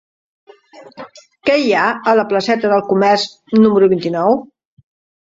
Què hi ha a la placeta del Comerç número vint-i-nou?